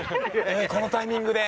このタイミングで。